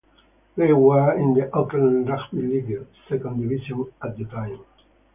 They were in the Auckland Rugby League second division at the time.